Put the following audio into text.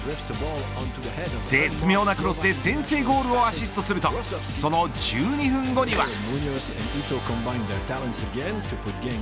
絶妙なクロスで先制ゴールをアシストするとその１２分後には。